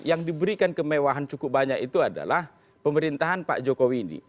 yang diberikan kemewahan cukup banyak itu adalah pemerintahan pak jokowi ini